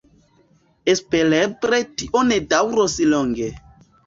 Espereble tio ne daŭros longe.